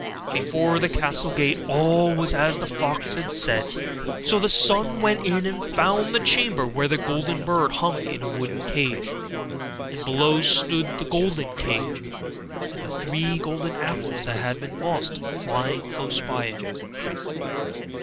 Before the castle gate all was as the fox had said: so the son went in and found the chamber where the golden bird hung in a wooden cage, and below stood the golden cage, and the three golden apples that had been lost were lying close by it.